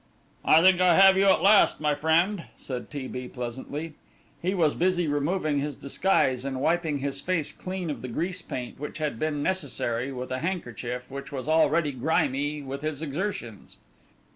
"I think I have you at last, my friend," said T. B. pleasantly. He was busy removing his disguise and wiping his face clean of the grease paint, which had been necessary, with a handkerchief which was already grimy with his exertions.